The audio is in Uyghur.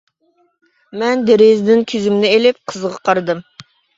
مەن دېرىزىدىن كۆزۈمنى ئېلىپ قىزغا قارىدىم.